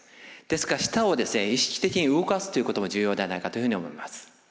ですから舌を意識的に動かすということも重要ではないかというふうに思います。